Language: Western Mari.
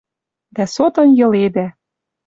Дӓ сотын йыледӓ.